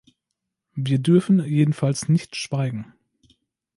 Wir dürfen jedenfalls nicht schweigen!